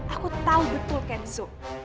aku tau betul kenzo